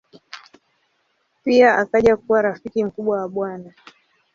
Pia akaja kuwa rafiki mkubwa wa Bw.